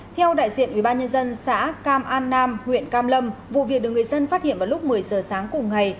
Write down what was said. theo đại diện ubnd xã cam an nam huyện cam lâm vụ việc được người dân phát hiện vào lúc một mươi giờ sáng cùng ngày